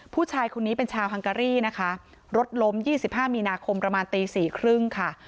ผู้ชายคนนี้เป็นชาวฮังการี่นะคะรถล้ม๒๕มีนาคมประมาณตีสี่ครึ่งค่ะ